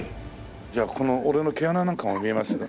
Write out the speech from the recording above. じゃあこの俺の毛穴なんかも見えます？